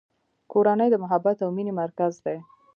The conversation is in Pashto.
کورنۍ د محبت او مینې مرکز دی.